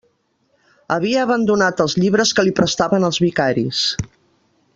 Havia abandonat els llibres que li prestaven els vicaris.